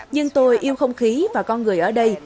nhưng tôi yêu không khí và con người ở đây